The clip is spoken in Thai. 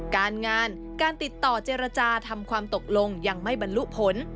การงานการติดต่อเจรจาทำความตกลงยังไม่บรรลุผล